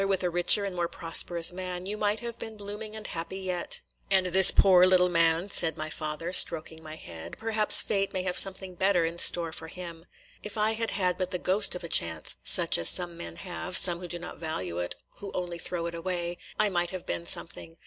"With a richer and more prosperous man, you might have been blooming and happy yet. And this poor little man," said my father, stroking my head, – "perhaps fate may have something better in store for him. If I had had but the ghost of a chance, such as some men have, – some who do not value it, who only throw it away, – I might have been something.